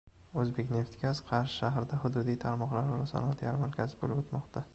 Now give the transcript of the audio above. “O‘zbekneftgaz”: Qarshi shahrida hududiy tarmoqlararo sanoat yarmarkasi bo‘lib o‘tmoqda